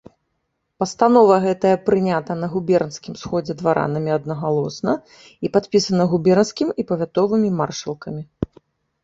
Пастанова гэтая прынята на губернскім сходзе дваранамі аднагалосна і падпісана губернскім і павятовымі маршалкамі.